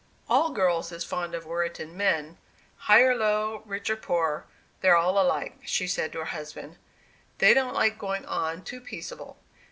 "All girls is fond of worritin' men; high or low, rich or poor, they're all alike," she said, to her husband. "They don't like going on too peaceable.